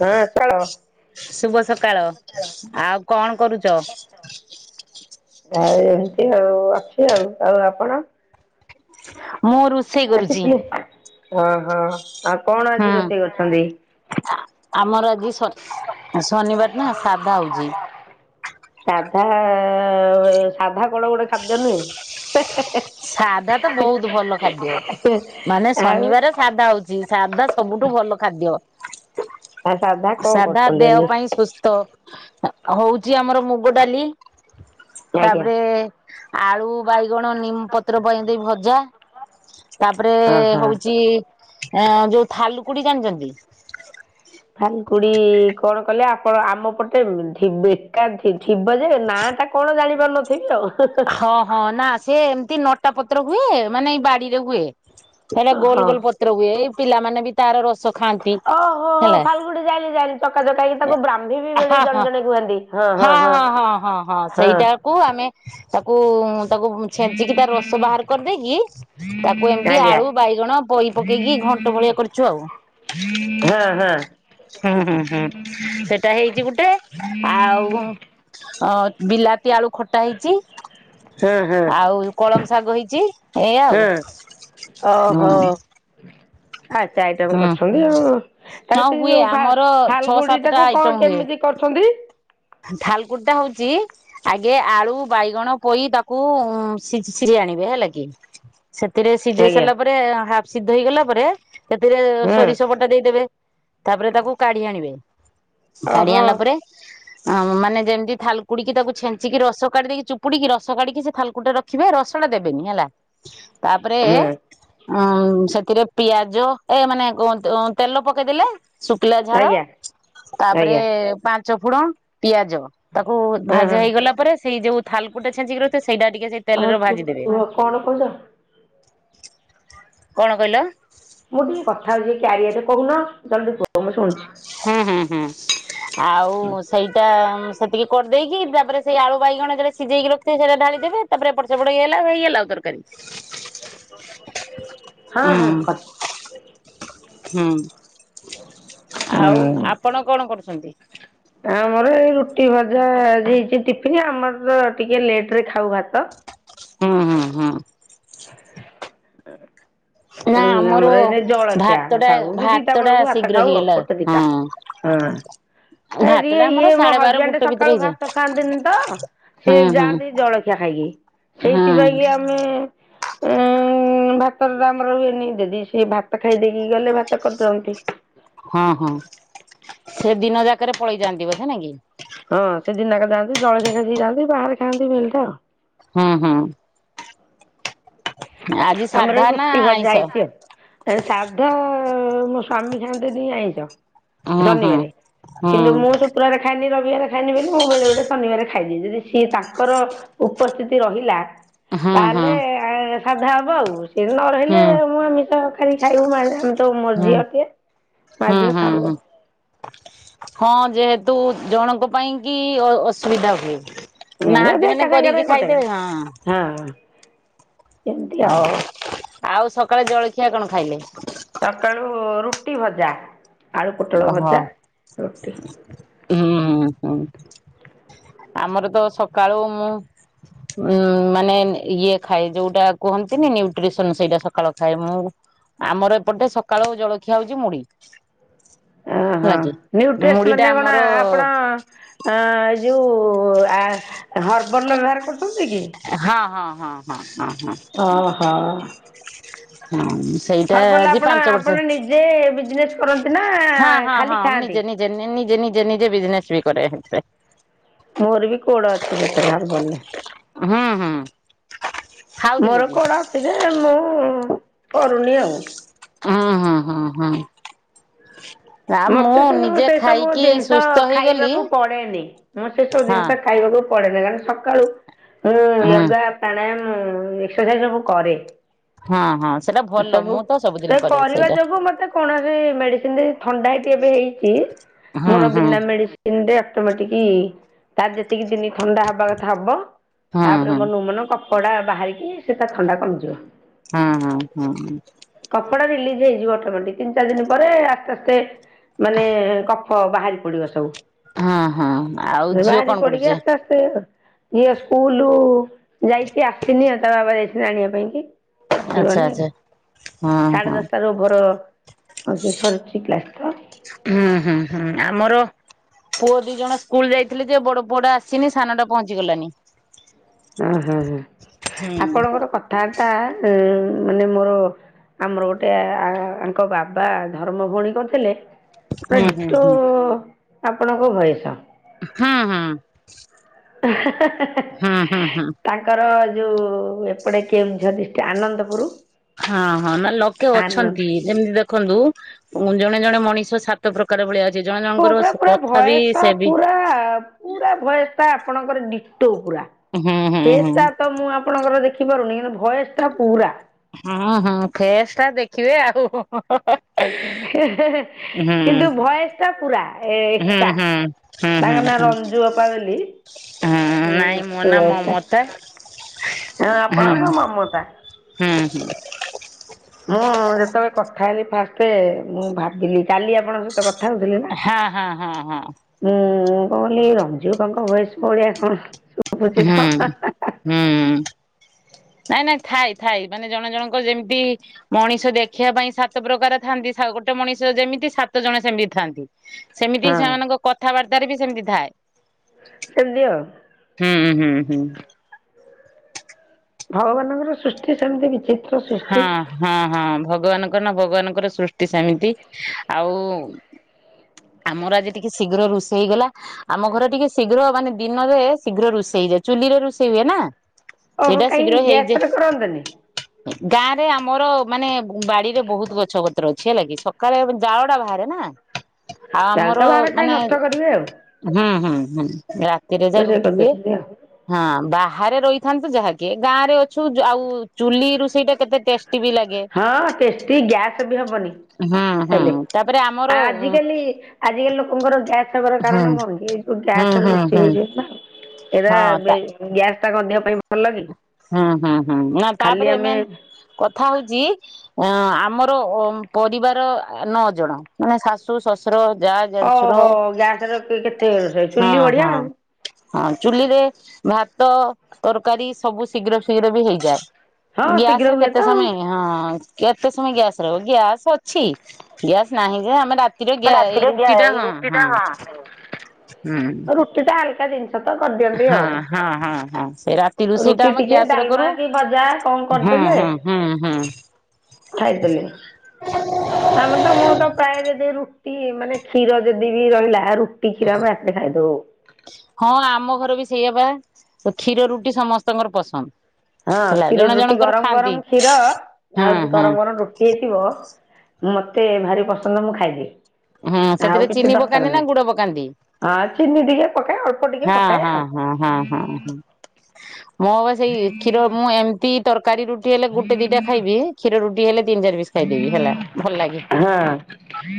ହଁ ସକାଳ ଶୁଭ ସକାଳ ଆଉ କଣ କରୁଛ? ଆଉ ଏମିତି ଆଉ ଅଛି ଆଉ ଆଉ ଆପଣ? ମୁରୁ [inaudible] [unintelligible] ହଁ ହଁ ଆଉ କଣ ଆଜି ରୋଷେଇ କରିଛନ୍ତି? ଆ ଆମର ଆଜି ଶ ଶନିବାର ନା ସାଧା ହଉଛି। ସାଧା ସାଧା କଣ ଗୋଟେ ଖାଦ୍ୟ ନୁହେଁ। ସାଧା ତ ବହୁତ ଭଲ ଖାଦ୍ୟ ମାନେ ଆଉ ଶନିବାର ସାଧା ହଉଛି। ସାଧା ସବୁଠୁ ଭଲ ଖାଦ୍ୟ। ଆଉ ସାଧା କଣ ସାଧା କରୁଛନ୍ତି ଆଜି? ଦେହ ପାଇଁ ସୁସ୍ଥ। ହଉଛି ଆମର ମୁଗ ଡାଲି ଆଜ୍ଞା ତାପରେ ଆଳୁ ବାଇଗଣ ନିମ ପତ୍ର ପକେଇଦେଇ ଭଜା ତାପରେ ଓହୋ। ହଉଛି। ଏ ଯୋଉ ଥାଲୁକୁଡି ଜାଣିଛନ୍ତି? ଥାଲୁକୁଡ଼ି କଣ କଲେ ଆପଣ ଆମପଟେ ଥି ବେକା ଥିବ ଯେ ନା ଟା କଣ ଜାଣିପାରୁନଥିବି ଆଉ। ହଁ ହଁ ନା ସେ ଏମତି ନଟା ପତ୍ର ହୁଏ ମାନେ ଏଇ ବାଡିରେ ହୁଏ। ଏଡ଼େ ଗୋଲ ହଁ ଗୋଲ ପତ୍ର ହୁଏ ଏଇ ପିଲାମାନେ ବି ତାର ରସ ଖାଆନ୍ତି। ଓହୋ ହୋ ହେଲା ଥାଲୁକୁଡି ଯାଇଁଲିି ଯାଇଁଲି ଚକା ଚକା ହେଇକି ତାକୁ ବ୍ରାହ୍ମୀ ବି ବୋଲି ହଁ ଜଣେ ହଁ। ଜଣେ କୁହନ୍ତି। ହଁ ହଁ ହଁ ହଁ ହଁ ସେଇଟାକୁ ଆମେ ତାକୁ ତାକୁ ଛେଚିକି ତାର ରସ ବାହାର କରିଦେଇକି ତାକୁ ଏମିତି ଆଜ୍ଞା ଆଳୁ ବାଇଗଣ ପୋଇ ପକେଇକି ଘଣ୍ଟ ଭଳିଆ କରିଛୁ ଆଉ। ହଁ ହଁ। ହୁଁ ହୁଁ ହୁଁ ସେଇଟା ହେଇଛି ଗୋଟେ ଆଉ ଅ ବିଲାତି ଆଳୁ ଖଟା ହେଇଛି। ହଁ ହଁ ଆଉ କଳମ ଶାଗ ହେଇଛି। ଏଇଆ ଆଉ। ହୁଁ ହୁଁ ଓହୋ ଆ ଏତେ ଆଇଟମ ହୁଁ କରିଛନ୍ତି ଆଉ। ଆରେ ହଁ ସେ ହୁଏ ଯୋଉ ଆମର ଛଅ ଫାଲଗୁଡି ସାତଟା ଟାକୁ କଣ କେମିତି କରୁଛନ୍ତି? ଥାଲୁକୁଡ଼ିଟା ହଉଛି। ଆଗେ ଆଳୁ, ବାଇଗଣ, ପୋଇ, ତାକୁ ସିଝି ସିଝେଇ ଆଣିବେ ହେଲା କି। ସେଥିରେ ସିଝେଇ ଆଜ୍ଞା ସାରିଲା ପରେ ହାଫ ସିଧ ହେଇଗଲା ପରେ ସେଥିରେ ହଁ ସୋରିଷ ବଟା ଦେଇଦେବେ, ତାପରେ ତାକୁ କାଢି ଆଣିବେ, କାଢି ଓହୋ ଆଣିଲା ପରେ ମାନେ ଯେମିତି ଥାଲକୁଡିକି ତାକୁ ଛେଞ୍ଚିକି ରସ କାଢି ଦେଇକି ଚୁପଡିକି ରସ କାଢିକି ସେ ଥାଲୁକୁଡ଼ି ଟା ରଖ ରଖିବେ ରସଟା ଦେବେନି ହେଲା ତାପରେ ହଁ ସେଥିରେ ପିଆଜ ଏ ମାନେ କ ତେଲ ପକେଇଦେଲେ, ଶୁଖିଲା ଝାଳ ଆଜ୍ଞା ତାପରେ ଆଜ୍ଞା ପାଞ୍ଚ ଚକୁଣ, ପିଆଜ ତାକୁ ହଁ ଭାଯା ହଁ ହେଇଗଲା ପରେ ସେଇ ଯୋଉ ଥାାଲକୁଡି ଟା ଛେଚିକି ରଖିଥିବେ ସେଇଟା ଟିକେ ସେଇ ତେଲରେ ଆଉ ଭାଜିଦେବେ। କୁହ କଣ କହୁଛ? କଣ କହିଲ? ମୁଁ ଟିକେ କଥା ହଉଛି, କାରିୟାରେ କହୁନ ଜଲଦି କୁହ ମୁଁ ଶୁଣୁଛି ହୁଁ ହୁଁ ହୁଁ ଆଉ ସେଇଟା ସେତିକି କରିଦେଇକି, ତାପରେ ସେଇ ଆଳୁ, ବାଇଗଣ ଯେତେବେଳେ ସିଝେଇକି ରଖିଥିବେ ସେଇଟା ଢାଳି ଦେବେ ତାପରେ ଏପଟ ସେପଟ ହେଇଗଲା ହେଇଗଲା ତରକାରୀ [inaudible] ହଁ ହଁ। ହୁଁ ଆଉ ହୁଁ ଆପଣ କଣ କରୁଛନ୍ତି? ଆମର ଏଇ ରୁଟି ଭଜା ଆଜି ହେଇଛି ଟିଫିନ୍ ଆମର ତ ଟିକେ ଲେଟରେ ଖାଉ ଭାତ ହୁଁ ହୁଁ ହୁଁ। [inaudible] ଆମର ଏଇନେ ଜଳଖିଆ ଭାତ ଟା ଖାଉ କି ଭାତ ଦିଟା ଟା ବେଳକୁ ଭାତ ଶୀଘ୍ର ଖାଉ ଆଉ ହେଇଗଲା। ଗୋଟେ ଦିଟା। ହଁ। ହଁ। ଏ ଭାତ ଟିକେ ଟା ଆମର ଇଏ ମୋ ସାଢେ ବାର ହଜବେଣ୍ଡ ଗୋଟେ ଭିତରେ ସକାଳୁ ହେଇଯାଏ। ଭାତ ଖାଆନ୍ତିନି ତ ସିଏ ହୁଁ ହୁଁ। ଯାଆନ୍ତି ଜଳଖି ଖାଇକି ହଁ। ସେଇଥିପାଇଁକି ଆମେ ଉ ଭାତର ଆମର ହୁଏନି ଜଦି ସିଏ ଭାତ ଖାଇ ଦେଇେକି ଗଲେ ଭାତ କରିଦିଅନ୍ତି ହଁ ହଁ ସେ ଦିନ ଯାକରେ ପଳେଇଯାଆନ୍ତିି ବଧେ ନାଇଁକି। ହଁ ସେ ଦିନଯାକ ଯାନ୍ତି ଜଳଖିଆ ଖାଇ ଦେଇ ଯାଆନ୍ତି ବାହାରେ ଖାଆନ୍ତି ମିଲଟା ହୁଁ ହୁଁ ଆଜି ସାଧା ଆମର ନା ରୁଟି ଭଜା ଆଇଁଷ? ହେଇଛି। ଏଣେ ସାଧ ମୋ ସ୍ଵାମୀ ଖାଆନ୍ତିନି ଆଇଁସ। ହୁଁ ହୁଁ। ଶନିବାର ହୁଁ କିନ୍ତୁ ମୁଁ ଶୁ କ୍ରବାର ଖାଏନି, ରବିବାର ଖାଏନି ବୋଲି ମୁଁ ବେଳେବେଳେ ଶନିବାର ଖାଇଦିଏ, ଯଦି ସିଏ ତାଙ୍କର ଉପସ୍ଥିତି ରହିଲା ହୁଁ ହୁଁ ହୁଁ ତାହେଲେ ସାଧା ହବ ଆଉ, ସିଏ ନ ହୁଁ। ରହିଲେ ମୁଁ ଆମଷ ଆଜି ଖାଇବୁ ଆମେ ତ ମୋ ହୁଁ ଝିଅ ଟିଏ ମା ହୁଁ ଝିଅ ଖାଉ ହୁଁ ଆଉ। ହଁ ଯେହେତୁ ଜଣଙ୍କ ପାଇଁ କି ଅସୁବିଧା ହୁଏ। ହୁଁ ନାହାନ୍ତି ଏକା ମାନେ ସାଙ୍ଗରେ କରିକି ଗୋଟେ ଖାଇଦେବେ, ହଁ। ହଁ। ଏମିତି ଆଉ। ହଉ ଆଉ ସକାଳେ ଜଳଖିଆ କଣ ଖାଇଲେ? ସକାଳୁ ରୁଟି ଭଜା, ଆଳୁ ପୋଟଳ ଓହୋ ଭଜା ରୁଟି। ହୁଁ ହୁଁ। ଆମର ତ ସକାଳୁ ମୁଁ ଉ ମାନେ ଇଏ ଖାଏ ଯୋଉଟା କୁହନ୍ତିନି ନ୍ୟୁଟ୍ରିସନ ସେଇଟା ସକାଳ ଖାଏ ମୁଁ। ଆମର ଏପଟେ ସକାଳୁ ଜଳଖିଆ ହଉଛି ମୁଡ଼ି। ଆଁ ହଁ ନ୍ୟୁଟ୍ରେସ ମାନେ କଣ ଆପଣ ହଁ ଏଇ ଯୋଉ ଆ ହବ୍ରଲ ର ବ୍ୟବହାର କରୁଛନ୍ତି କି? ହଁ ହଁ ହଁ ହଁ ହଁ ହଁ। ଓ ହ। ହଁ ସେଇଟା ଆଜି ପାଞ୍ଚ ବର୍ଷ ଯେ ବିଜନେସ୍ କରନ୍ତି, ନା ହଁ ହଁ ଖାଲି ହଁ ମୁଁ ଖାଆନ୍ତି। ନିଜେ ନିଜେ ନିଜେ ନିଜେ ବିଜନେସ ବି କରେ ହେଥିପାଇଁ। ମୋର ବି କୋଡ ଅଛି ସେଥିରେ ହର୍ବାଲ ରେ। ହୁଁ ହୁଁ ଖାଉଥିଲେ କି? ସେଜେ ମୁଁ କରୁନି ଆଉ। ହଁ ହଁ ହଁ ହୁଁ। ନା ମୁଁ ମତେ ସେ ନିଜେ ସେସବୁ ଖାଇକି ଜିନିଷ ସୁସ୍ଥ ହେଇଗଲି ଖାଇବାକୁ ପଡେନି, ମୁଁ ସେ ସବୁ ହଁ ଜିନିଷ ଖାଇବାକୁ ପଡେନି, କାର ସକାଳୁ ମୁଁ ହୁଁ ୟୋଗା ପ୍ରାଣାୟାମ ଏକ୍ସରସାଇଜ ସବୁ କରେ। ହଁ ହଁ ସେଇଟା ଭଲ ଏସବୁ, ମୁଁ ତ ସବୁଦିନ ସେ କରେ କରିବା ସେଇଟା ଯୋଗୁ ମତେ କୌଣସି ମେଡିସିନ ଦେଇ ଥଣ୍ଡା କେବେ ହେଇଛି ହୁଁ ମୋର ହୁଁ ବିନା ମେଡିସିନ ତିନି ଦେ ଅଟୋମେଟିକ ତାର ଯେତିକି ଦିନ ଥଣ୍ଡା ହବା କଥା ହବ। ହୁଁ ତାପରେ ହୁଁ ମନକୁ ମନ କପଡ଼ା ବାହାରିକି ସେ ତା ଥଣ୍ଡା କମିଯିବ। ହଁ ହଁ ହୁଁଁ ଉଁ। କପଡା ରିଲିଜ ହେଇଯିବ ଅଟୋମେଟିକ ତିନି ଚାରି ଦିନ ପରେ ଆସ୍ତେ ଆସ୍ତେ ମାନେ କଫ ବାହାରି ପଡିବ ସବୁ। ହଁ ହଁ ଆଉ ଝିଅ ବାହାରି କଣ ପଡିକି କରୁଛି? ଆସ୍ତେ ଝିଅ ସ୍କୁଲ ଯାଇଛି ଆସିନି ତା ବାବା ଯାଇଛନ୍ତି ଆଣିବା ପାଇଁ କି। ସିଏ ଆଚ୍ଛା ଗଲେ, ଆଚ୍ଛା। ହଁ ସାଢ଼େ ହଁ ଦଶଟାରୁ ଭର ସେ ସରଛି ପ୍ଲାଷ୍ଟର। ହୁଁ ହୁଁ ହୁଁ ଆମର ପୁଅ ଦି ଜଣ ସ୍କୁଲ ଯାଇଥିଲେ ଯେ ବଡ ପୁଅଟା ଆସିନି ସାନଟା ପହଞ୍ଚିଗଲାଣି। ଉଁ ହୁଁ ହୁଁ ହୁଁ। ଆପଣଙ୍କର କଥାବାର୍ତ୍ତା ଉ ମାନେ ମୋର ଆମର ଗୋଟେ ଆଙ୍କ ବାବା ଧରମ ଭଉଣୀ କରିଥିଲେ ହୁଁ ପୁରା ହୁଁ ହୁଁ ହୁଁ ଡିଟୋ ହୁଁ। ଆପଣଙ୍କ ଭଏସ। ହଁ ହଁ। ହେଁ ହେଁ ହେଁ ତା ହୁଁ ତାଙ୍କର ଯୋଉ ଏପଟେ କେଉଁଝର ଡିଷ୍ଟ ଆନନ୍ଦପୁରୁ ହଁ ହଁ ନା ଲୋକେ ଅଛନ୍ତି ଯେମିତି ଦେଖନ୍ତୁ ଜଣେ ଜଣେ ମଣିଷ ସା ତ ପ୍ରକାର ଭଳିଆ ଅଛି ଜଣ ହଁ ଜଣଙ୍କର ପୁରା ପୁରା କଥା ବି ଭଏସ ଟା ସେ ବି ପୁରା ପୁରା ଭଏସ୍ ଟା ଆପଣଙ୍କର ଡିଟୋ ପୁରା, ହୁଁ ହୁଁ ଫେସ୍ ହୁଁ ଟା ତ ମୁଁ ଆପଣଙ୍କର ଦେଖି ପାରୁନି କିନ୍ତୁ ଭଏସଟା ପୁରା। ହଁ ହଁ ଫେସ୍ ଟା ଦେଖିବେ ଆହୁ ହୁ। ହଁ ହଁ ହଁ। ହେ ହେ ହେ କିନ୍ତୁ ଭଏସ୍‌ଟା ପୁରା। ଏ ହୁଁ ହୁଁ ଏକା ହୁଁ ହୁଁ ତାଙ୍କ ହୁଁ। ନାଁ ରଞ୍ଜୁ ଅପା ବୋଲି। ଅଁ ସୁଅଷ୍ଟା ହଁ ଆପଣଙ୍କ ମମତା। ହୁଁ। ହଁ ଯେତେବେଳେ କଥା ହେଲି ଫାଷ୍ଟ ମୁଁ ଭାବିଲି କାଲି ଆପଣ ସ ତେ କଥା ହଉଥିଲେ ନା। ହଁ ହଁ ହଁ ହଁ ମୁଁ କହିଲି ରଞ୍ଜୁଆପାଙ୍କ ଭଏସ୍‌ ଭଳିଆ କଣ ଶୁ ହୁଁ ହୁଁ। ନାଇଁ ନାଇଁ ଥାଇ ଥାଇ ମାନେ ଜଣ ଜଣଙ୍କ ଯେମତି ମଣିଷ ଦେଖିଆ ପାଇଁ ସାତ ପ୍ରକାର ଥାନ୍ତି ସା ଗୋଟେ ମଣିଷ ଯେମିତି ସାତ ଜଣ ସେମିତି ଥାଆନ୍ତି। ସେମିତି ହଁ ସେମାନଙ୍କ କଥାବାର୍ତ୍ତାରେ ବି ସେମିତି ଥାଏ। ସେମତି ଆଉ। ହୁଁ ହୁଁ ହୁଁ। ଭଗବାନଙ୍କର ସୃଷ୍ଟି ସେମତି କିଛି ହଁ ହଁ ହଁ ଭଗବାନଙ୍କର ନା ଭଗବାନଙ୍କର ସୃଷ୍ଟି ସେମିତି ଆଉ ଆମର ଆଜି ଟିକେ ଶୀଘ୍ର ରୁଷେଇ ଗଲା। ଆମ ଘର ଟିକେ ଶୀଘ୍ର ମାନେ ଦିନରେ ଶୀଘ୍ର ରୁଷେଇ ଯାଏ ଚୁଲିରେ ରୁଷେଇ ହୁଏ ନା। ଅହ ସେଇଟା କାଇଁ ଶୀଘ୍ର ହେଇଯାଏ ଗ୍ୟାସରେ କରନ୍ତନି? ଗାଁ ରେ ଆମର ମାନେ ବ ବାଡିରେ ବହୁତ ଗଛ ପତ୍ର ଅଛି ହେଲା କି ସକାଳେ ଜାଳଟା ବାହାରେ ନା। ଆଉ ତାହେଲେ ଆମର ତ ବାହାରେ କାହିଁ ମାନେ ନଷ୍ଟ କରିବେ ଆଉ ହାଁ ହାଁ ହାଁ ରାତିରେ ଯା ରୋଷେଇ ରୁଟି ହୁଏ। କରିଦଉଛନ୍ତି ଆଉ। ହଁ ବାହାରେ ରହିଥାନ୍ତୁ ଯାହାକି ଗାଁ ରେ ଅଛୁ ଯା ଆଉ ଚୁଲି ରୁଷେଇ ଟା କେତେ ଟେଷ୍ଟି ବି ଲାଗ୍ ହଁ ଟେଷ୍ଟି ଗ୍ୟାସ ବି ହବନି ହୁଁ ହୁଁ ଖାଇଲେ ତାପରେ ଆମର ଆଜି ହୁଁ କାଲି ଆଜିକାଲି ଲୋକଙ୍କର ଗ୍ୟାସ୍ ହବାର ହୁଁ କାରଣ କଣ କି ଏଇ ଯୋଉ ଗ୍ୟାସରେ ହୁଁ ରୋଷେଇ ହୁଁ ହଉଛି ବୋଲି ନା। ଏଇଟା ହଁ ବେ ତା ଗ୍ୟାସ ଟା କଁ ଦେହ ପାଇଁ ଭଲ କି? ହଁ ହଁ ହଁ ନା ଖାଲି ତାପରେ ଆମେ ମେନ୍ କଥା ହଉଚି ଆଁ ଆମର ଅ ପରିବାର ଆ ନଅ ଜଣ ମାନେ ଶାଶ୍ ଶୁ ଶଶୁର ଯାଆ ଦେଢଶୁର ଓହୋ ଗ୍ୟାସ୍ ରେ କେତେ ରୋଷେଇ ହଁ ଚୁଲି ବଢିଆ ହଁ। ଆଉ। ହଁ ଚୁଲିରେ ଭାତ ତରକାରୀ ସବୁ ଶୀଘ୍ର ଶୀଘ୍ର ବି ହେଇଯାଏ। ହଁ ଶୀଘ୍ର ଗ୍ୟାସରେ ହୁଏ କେତେ ତ। ସମେଇ ହଁ କେତେ ସମୟ ଗ୍ୟାସ ରହିବ ଗ୍ୟାସ୍ ଅଛି ଗ୍ୟାସ୍ ନାହିଁ ଯେ ଆମେ ରାତ୍ କିରେ ଗ୍ୟା ଏଇ ରାତିରେ ରୁଟି ଟା ହଁ ରୁଟି ଟା ହଁ ହୁଁ। କେତେ ହାଲକା ଜିନ୍ ସେଟା କରିଦିଅ। ହଁ ହଁ ହଁ ହଁ ସେଇ ରାତ୍ ରାତି ରୋଷେଇଟା ରୁଟି ଆମେ ଟିକେ ଗ୍ୟାସରେ ଡାଲମା କରୁ କି ଭଜା କଣ ହଁ କରିଦେଲେ ହଁ ହଁ ହଁ। ଖାଇଦେଲେ। ଆମେ ତ ମୁଁ ତ ପ୍ରାୟ ଯଦି ରୁଟି ମାନେ କ୍ଷୀର ଯଦି ବି ରହିଲା ରୁ ଟି କ୍ଷୀର ଆମ ରାତିରେ ଖାଇଦବୁ। ହଁ ଆମ ଘର ବି ସେଇଆ ପା ତ କ୍ଷୀର ରୁଟି ସମସ୍ତଙ୍କର ପସନ୍ଦ। ହଁ ହେଲା କ୍ଷୀର ଜଣ ରୁଟି ଜଣଙ୍କର ଗରମ ଖାଆନ୍ତି। ଗରମ କ୍ଷୀର ହୁଁ ଆଉ ରୁ ଵି ହୁଁ ଗରମ ଗରମ ରୁ ହେଇଥିବ ମତେ ଭାରି ପସନ୍ଦ ମୁଁ ଖାଇ ଦିଏ। ହଁ ସେଥିରେ ଚିନି ପକାନ୍ତି ନା ଗୁଡ ପକାନ୍ତି? ହଁ ଚିନି ଟିକେ ପକାଏ ଅଳ୍ପ ଟିକେ ହଁ ପକାଏ ହଁ ଆଉ। ମୋ ବା ସେଇ କ୍ଷୀର ମୁଁ ଏମତି ତରକାରୀ ରୁଟି ହେଲେ ଗୁଟେ ଦିଟା ଖାଇବି କ୍ଷୀର ରୁଟି ହେଲେ ତିନି ଚାରିପିସ୍‌। ଖାଇଦେବି ହେଲା ଭଲ ଲାଗେ ହଁ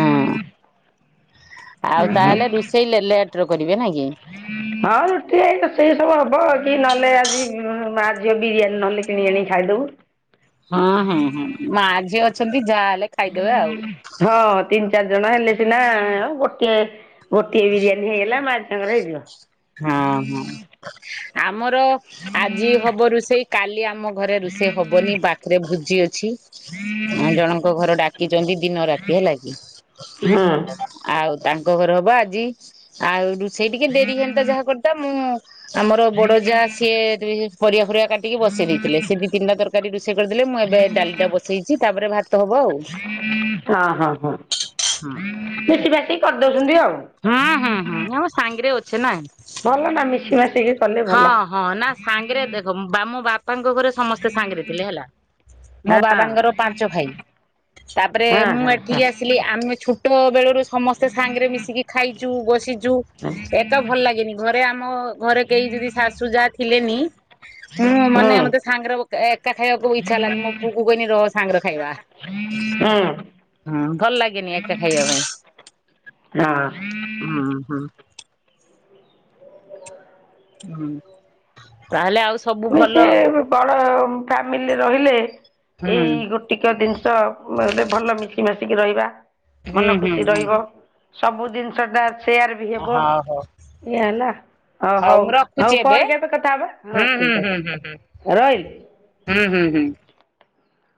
ହଁ। ଆଉ ତାହେଲେ ରୋଷେଇ ଲେ-ଲେଟର କରିବେ ନାଇଁ କି? ହଁ ରୁଟି ସେଇ ସବୁ ହବ କି ନହେଲେ ଆଜି ମାଝିଅ ବିରିୟାନୀ ନହେଲେ କିଣି ଆଣିକି ଖାଇଦବୁ ହଁ ହୁଁ ହୁଁ ମା ଝିଅ ଅଛନ୍ତି ଯାହା ହେଲେ ଖାଇଦେବେ ଆଉ ହଁ ତିନି ଚାରି ଜଣ ହେଲେ ସିନା ଆ ଗୋଟିଏ ଗୋଟିଏ ବିରିୟାନୀ ହେଇଗଲା ମା ତାଙ୍କର ହେଇଯିବ। ହଁ ହଁ ଆମର ଆଜି ହବରୁ ସେଇ କାଲି ଆମ ଘରେ ରୋଷେଇ ହବନି ବାଥଡେ ଭୁଜି ଅଛି। ଆ ଜଣଙ୍କ ଘର ଡାକିଛନ୍ତି ଦିନ ରାତି ହେଲା କି। ହୁଁ ଆଉ ତାଙ୍କ ଘରେ ହବ ଆଜି ଆଉ ରୁଷେଇଟିକେ ଡେରି ହେନତା ଯାହା କରିତା ମୁଁ ଆମର ବଡ ଯା ସିଏ ପରିବା ଫରିବା କାଟିକି ବସେଇ ଦେଇଥିଲେ ସେ ଦି ତିନିଟା ତର ତରକାରୀ ରୋଷେଇ କରିଦେଲେ ମୁଁ ଏବେ ଡାଲି ଟା ବସେଇଛି ତାପରେ ଭାତ ହବ ଆଉ। ହଁ ହଁ ହଁ ହୁଁ ମିଶି ବାଟିକି କରିଦଉଛନ୍ତି ଆଉ। ହୁଁ ହୁଁ ହୁଁ ଆମ ସାଙ୍ଗରେ ଅଛେ ନାଇ। ଭଲ ନା ମିଶି ମାସିକି କଲେ ଭଲ। ହଁ ନା ସାଙ୍ଗରେ ଦେଖ ଆମ ବାପାଙ୍କ ଘରେ ସମସ୍ତେ ସାଙ୍ଗରେ ଥିଲେ ହେଲା ମୋ ହଁ ବାବାଙ୍କର ପାଞ୍ଚ ଭାଇ। ତାପରେ ହଁ ମୁଁ ହଁ ହଁ ଏଠିକି ଆସିଲି ଆମେ ଛ ଟ ବେଳରୁ ସମସ୍ତେ ସାଙ୍ଗରେ ମିଶିକି ଖାଇଛୁ ବସିଛୁ। ତ ଭଲ ଲାଗେନି ଘରେ ଆମ ଘରେ କେହି ଯଦି ଶାଶୁ ଯାହା ଥିଲେନି। ମୁଁ ହୁଁ ମାନେ ମତେ ସାଙ୍ଗର ଏକା ଖାଇବାକୁ ଇଚ୍ଛା ହେଲାନି ମୋ ପୁଅକୁ କହନି ରହ ସାଙ୍ଗର ଖାଇବା। ହଁ ହୁଁ ଭଲ ଲାଗେନି ଏକା ଖାଇବା ପାଇଁ। ହଁ ହଁ ହୁଁ ହୁଁ ତାହେଲେ ଆଉ ସବୁ ଭଲ ଆଉ। ବଡ଼ ଫ୍ୟାମିଲି ରହିଲେ ହୁଁ ଏଇ ଗୋଟେ ଟିକେ ଜିନିଷ ଭଲ ମିଶି ମାଶିକି ରହିବା ହୁଁ ମନ ହୁଁ ଖୁସି ହୁଁ। ରହିବ। ସବୁ ଜିନିଷ ଟା ସେୟାର ବି ହେବ। ହଉ ହଉ ଏଆନା ହଁ ହଉ ମୁଁ ରଖୁଛି ହଉ ଏବେ ପରେ କେବେ କଥା ହେବା ହୁଁ ହଁ ହୁଁ ଠିକ୍। ହୁଁ ହୁଁ ହୁଁ ହୁଁ ହୁଁ